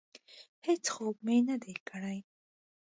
هېڅ خوب مې نه دی کړی.